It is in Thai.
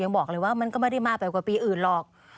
บอกเลยว่ามันก็ไม่ได้มากไปกว่าปีอื่นหรอก